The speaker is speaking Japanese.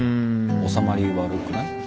収まり悪くない？